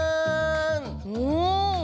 お！